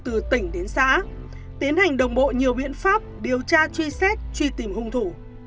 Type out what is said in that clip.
từ tỉnh đến xã tiến hành đồng bộ nhiều biện pháp điều tra truy xét truy tìm hung thủ